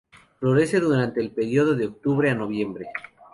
Florece durante el período de octubre a noviembre.